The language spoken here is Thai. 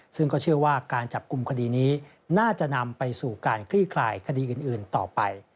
ซึ่งก็เชื่อว่าการจับกลุ่มคดีนี้น่าจะนำไปสู่การคลี่คลายคดีอื่นต่อไป